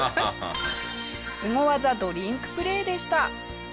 スゴ技ドリンクプレーでした。